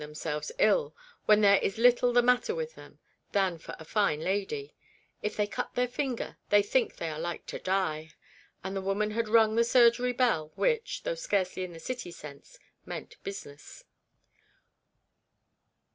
203 themselves ill, when there is little the matter with them, than for a fine lady ; if they cut their finger, they think they are like to die. And the woman had rung the surgery bell, which (though scarcely in the City sense) meant business.